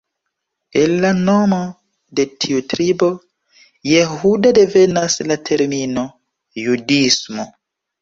El la nomo de tiu tribo, Jehuda, devenas la termino "judismo".